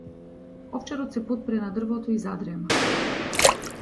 Овчарот се потпре на дрвото и задрема.